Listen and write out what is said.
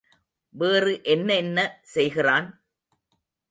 வேறு என்ன என்ன செய்கிறான்?